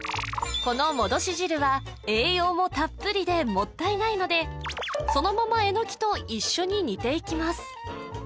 この戻し汁は栄養もたっぷりでもったいないのでそのままえのきと一緒に煮ていきます